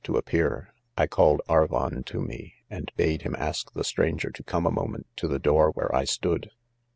to appear, I called Arvon to ; me, and bade him ask the stranger to cornea moment,, to the door where I stood.